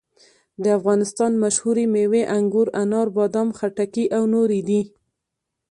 د افغانستان مشهورې مېوې انګور، انار، بادام، خټکي او نورې دي.